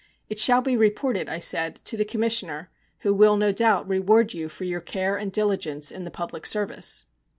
'It shall be reported,' I said, 'to the Commissioner, who will, no doubt, reward you for your care and diligence in the public service.'